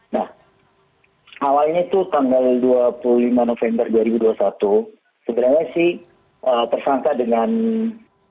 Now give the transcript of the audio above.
nah awalnya itu tanggal dua puluh lima november dua ribu dua puluh satu sebenarnya sih tersangka dengan